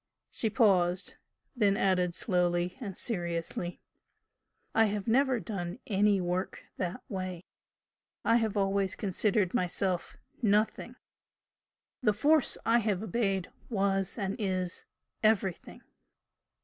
She paused, then added slowly and seriously "I have never done any work that way. I have always considered myself Nothing, the Force I have obeyed was and is Everything."